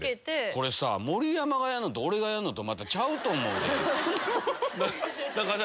これさ盛山がやるのと俺がやるのとちゃうと思うで。